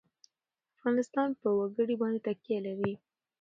افغانستان په وګړي باندې تکیه لري.